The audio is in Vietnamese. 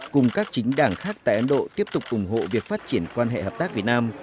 cùng các chính đảng khác tại ấn độ tiếp tục ủng hộ việc phát triển quan hệ hợp tác việt nam